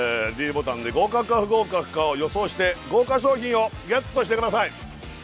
ｄボタンで合格か不合格かを予想して豪華賞品をＧＥＴしてください